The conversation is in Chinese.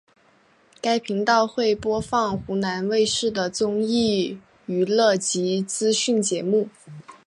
该频道会播放湖南卫视的综艺娱乐及资讯节目。